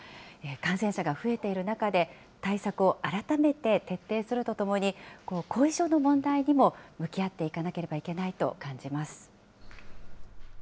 感染者が増えている中で対策を改めて徹底するとともに、後遺症の問題にも向き合っていかなければいけないと感じます。